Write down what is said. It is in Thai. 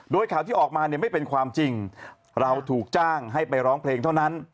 โดยข่าวที่ออกมาเนี่ยไม่เป็นความจริงเราถูกจ้างให้ไปร้องเพลงเท่านั้น